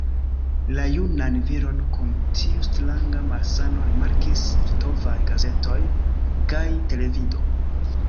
La junan viron kun tiu stranga malsano rimarkis litovaj gazetoj kaj televido.